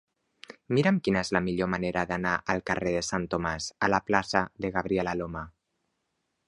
Mira'm quina és la millor manera d'anar del carrer de Sant Tomàs a la plaça de Gabriel Alomar.